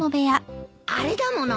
あれだもの。